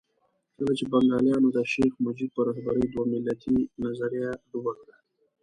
کله چې بنګالیانو د شیخ مجیب په رهبرۍ دوه ملتي نظریه ډوبه کړه.